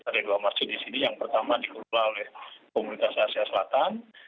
ada dua masjid di sini yang pertama dikelola oleh komunitas asia selatan